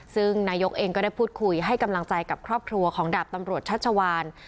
ซึ่งนายกเองก็ได้พูดคุยให้กำลังใจกับครอบครัวของดาบตำรวจชัชวาน